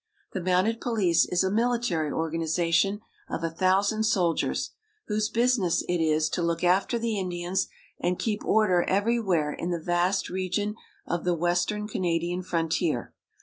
The mounted police is a military organization of a thousand soldiers, whose business it is to look after the Indians and keep order every where in the vast re gion of the western Canadian frontier.